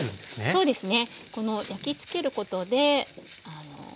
そうですね。